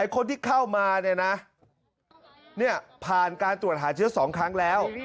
คนที่เข้ามาเนี่ยนะผ่านการตรวจหาเชื้อ๒ครั้งแล้ว